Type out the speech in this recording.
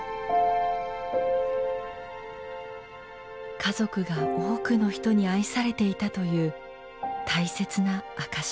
家族が多くの人に愛されていたという大切な証し。